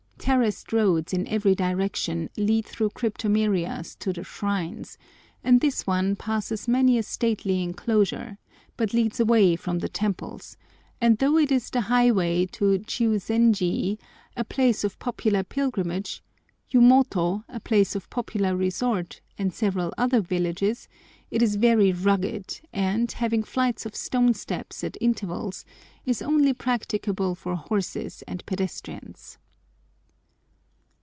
Terraced roads in every direction lead through cryptomerias to the shrines; and this one passes many a stately enclosure, but leads away from the temples, and though it is the highway to Chiuzenjii, a place of popular pilgrimage, Yumoto, a place of popular resort, and several other villages, it is very rugged, and, having flights of stone steps at intervals, is only practicable for horses and pedestrians.